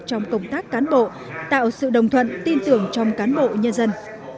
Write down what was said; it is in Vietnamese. trong công tác cán bộ tạo sự đồng thuận tin tưởng trong cán bộ nhân dân